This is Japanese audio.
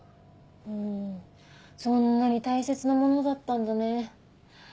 うんそんなに大切なものだったんだね。